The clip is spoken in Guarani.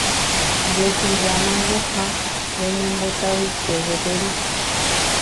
ndetujámango ha reñembotavyse gueteri